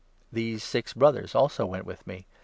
These six Brothers also went with me.